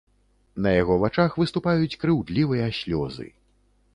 На яго вачах выступаюць крыўдлівыя слёзы.